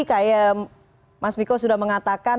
kayak mas miko sudah mengatakan